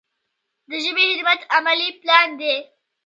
د ژبې خدمت عملي پلان دی.